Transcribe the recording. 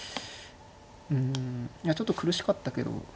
うんいやちょっと苦しかったけど。